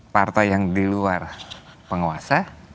partai yang di luar penguasa